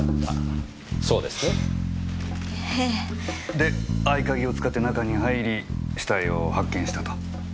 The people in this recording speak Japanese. で合鍵を使って中に入り死体を発見したと？